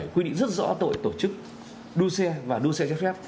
quy định rất rõ tội tổ chức đua xe và đua xe trái phép